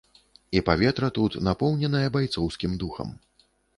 І паветра тут напоўненае байцоўскім духам.